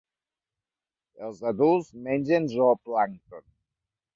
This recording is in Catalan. Els adults mengen zooplàncton.